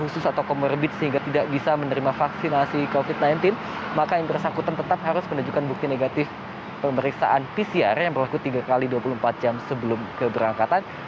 khusus atau comorbid sehingga tidak bisa menerima vaksinasi covid sembilan belas maka yang bersangkutan tetap harus menunjukkan bukti negatif pemeriksaan pcr yang berlaku tiga x dua puluh empat jam sebelum keberangkatan